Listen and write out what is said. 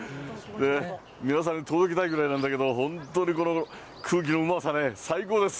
皆さんに届けたいぐらいなんだけど、本当にこの空気のうまさね、最高です。